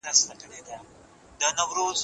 چي واعظ خانه خراب وي را نصیب مي هغه ښار کې